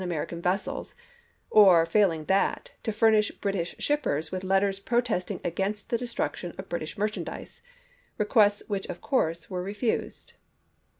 m. American vessels, or, failing that, to furnish Brit ish shippers with letters protesting against the destruction of British merchandise — requests which, of course, were refused.